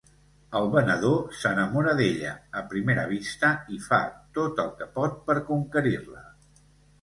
El venedor s'enamora d'ella a primera vista i fa tot el que pot per conquerir-la.